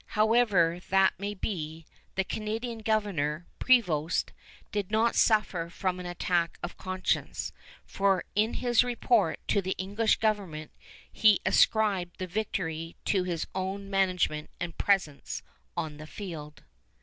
However that may be, the Canadian governor, Prevost, did not suffer from an attack of conscience, for in his report to the English government he ascribed the victory to his own management and presence on the field.